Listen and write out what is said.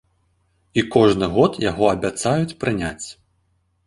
І кожны год яго абяцаюць прыняць.